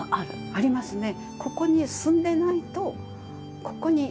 ありますね。